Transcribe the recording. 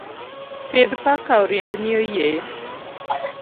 Pidh paka oriembni oyieyo.